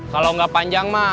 kalau enggak panjang mah